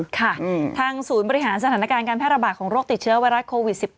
ค่ะทางศูนย์บริหารสถานการณ์การแพร่ระบาดของโรคติดเชื้อไวรัสโควิด๑๙